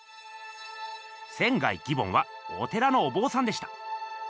仙義梵はお寺のお坊さんでした。